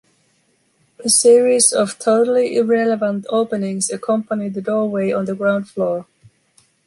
A series of totally irrelevant openings accompany the doorway on the ground floor.